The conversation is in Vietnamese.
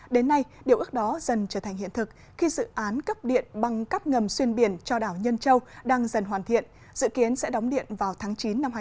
đến nay điều ước đó dần trở thành hiện thực khi dự án cấp điện bằng cắp ngầm xuyên biển cho đảo nhân châu đang dần hoàn thiện dự kiến sẽ đóng điện vào tháng chín năm hai nghìn hai mươi